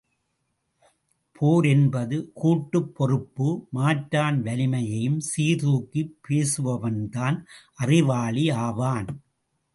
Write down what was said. போர் என்பது கூட்டுப் பொறுப்பு மாற்றான் வலிமையையும் சீர் தூக்கிப் பேசுபவன்தான் அறிவாளி ஆவான்.